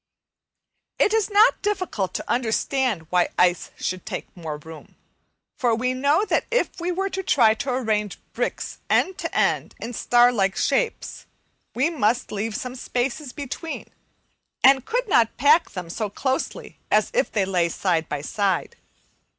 It is not difficult to understand why ice should take more room; for we know that if we were to try to arrange bricks end to end in star like shapes, we must leave some spaces between, and could not pack them so closely as if they lay side by side.